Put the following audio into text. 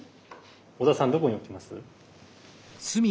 小田さんどこに置きます？